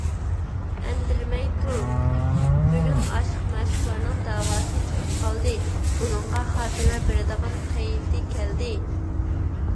ئەندىرىمەي تۇر! بۈگۈن ئاشىق - مەشۇقلارنىڭ دەۋاسى چىقىپ قالدى، بۇنىڭغا خاتىمە بېرىدىغان پەيتى كەلدى.